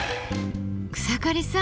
草刈さん